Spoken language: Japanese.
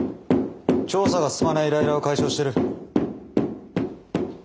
調査が進まないイライラを解消してる。